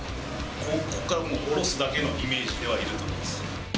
ここから、もう下ろすだけのイメージではいると思います。